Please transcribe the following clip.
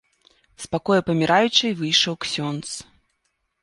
З пакоя паміраючай выйшаў ксёндз.